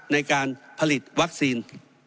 ในการผลิตวัคซีน